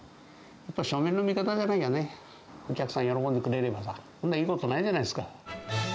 やっぱり庶民の味方じゃなきゃね、お客さん喜んでくれればさ、こんないいことないじゃないですか。